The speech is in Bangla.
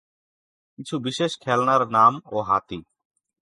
কিছু বিশেষ খেলনার নাম ও হাতি।